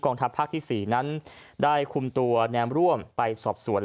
ทัพภาคที่๔นั้นได้คุมตัวแนมร่วมไปสอบสวน